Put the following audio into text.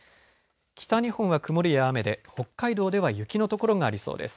北日本は曇りや雨で北海道では雪の所がありそうです。